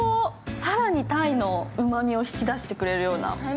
更にたいのうまみを引き出してくれるような。